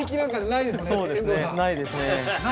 ないですね